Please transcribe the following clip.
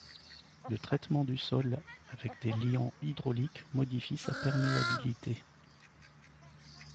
Le traitement du sol avec des liants hydrauliques modifie sa perméabilité.